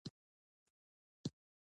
ادې مې هم په پټي غره وه، مسته ګرځېده.